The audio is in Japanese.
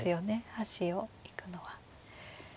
端を行くのは。